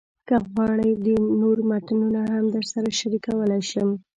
که غواړئ، نور متنونه هم درسره شریکولی شم.